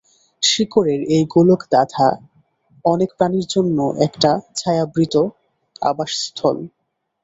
শিকড়ের এই গোলকধাঁধা অনেক প্রাণীর জন্য একটা ছায়াবৃত আবাসস্থল।